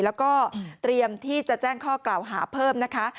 แล้วก็เตรียมที่จะแจ้งข้อกล่าวหาเพิ่มนะคะ